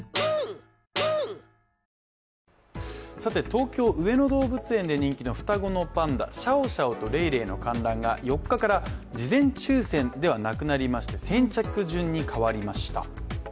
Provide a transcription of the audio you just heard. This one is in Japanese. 東京・上野動物園で人気の双子のパンダシャオシャオとレイレイの観覧が４日から事前抽選ではなくなりまして先着順に変わりました。